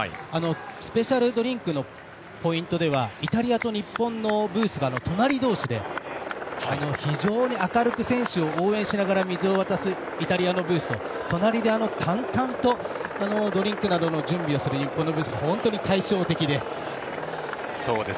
スペシャルドリンクのポイントではイタリアと日本のブースが隣同士で非常に明るく選手を応援しながら水を渡すイタリアのブースと隣で淡々とドリンクなどの準備をする日本のブースが本当に対照的で。